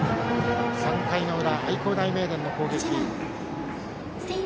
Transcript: ３回の裏、愛工大名電の攻撃。